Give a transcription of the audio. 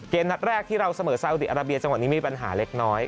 นัดแรกที่เราเสมอซาอุดีอาราเบียจังหวะนี้มีปัญหาเล็กน้อย